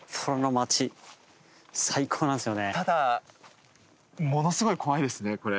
ただものすごい怖いですねこれ。